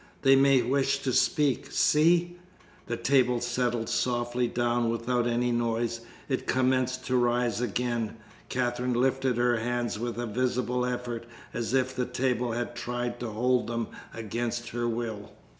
They may wish to speak. See!" The table settled softly down without any noise. It commenced to rise again. Katherine lifted her hands with a visible effort, as if the table had tried to hold them against her will.